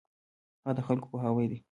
هغه د خلکو پوهاوی دی.